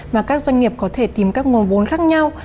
mà các doanh nghiệp có thể tìm các nguồn vốn khác nhau